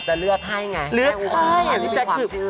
เหลือกให้